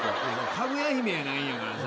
かぐや姫やないんやからさ